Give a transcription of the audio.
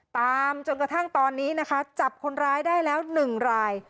ตามจนกระทั่งตอนนี้นะคะจับคนร้ายได้แล้ว๑ราย